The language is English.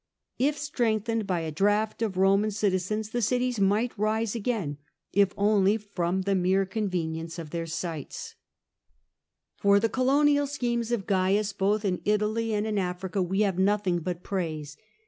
If strengthened by a draft of Roman citizens, the cities might rise again, if only from the mere convenience of their sites. 62 CAIUS GRACCHUS For tli0 colonial schemes of Cains^ both in Italy and in Africa, we have nothing but praise.